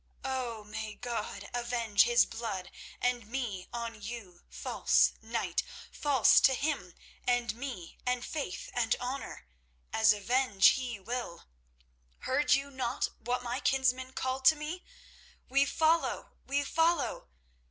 Oh! may God avenge his blood and me on you, false knight—false to Him and me and faith and honour—as avenge He will! Heard you not what my kinsman called to me? 'We follow. We follow!